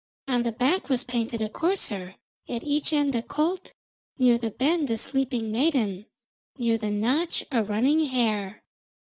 On the back was painted a courser, at each end a colt, near the bend a sleeping maiden, near the notch a running hare.